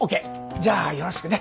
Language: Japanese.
じゃあよろしくね。